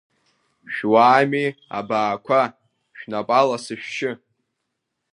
Шәуаами, абаақәа, шәнапала сышәшьы!